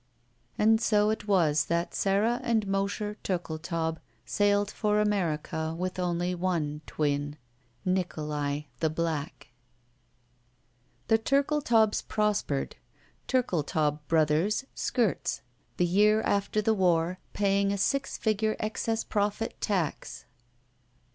ROULETTE And so it was that Sara and Mosher Turldetaub sailed for America with only one twin — ^Nikolai, the black. The Ttirkletaubs prospered. Turldetaub Brothers, Skirts, the year after the war, paying a six figure excess profit tax.